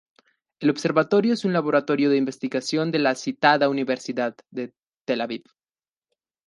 El observatorio es un laboratorio de investigación de la citada Universidad de Tel-Aviv.